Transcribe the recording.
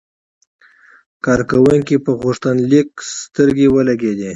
کارکونکي په غوښتنلیک سترګې ولګېدې.